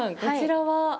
こちらは？